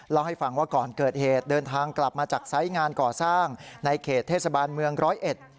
เล่าให้ฟังว่าก่อนเกิดเหตุเดินทางกลับมาจากไซส์งานก่อสร้างในเขตเทศบาลเมืองร้อยเอ็ด